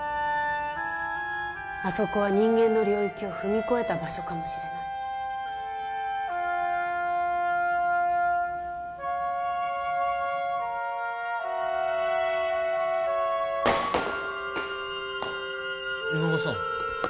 あそこは人間の領域を踏み越えた場所かもしれない皆川さん